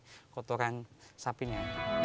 untung dari kotoran sapinya